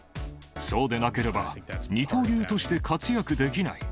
そうでなければ、二刀流として活躍できない。